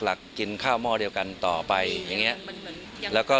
ต้องมีเกือบ๑๐คน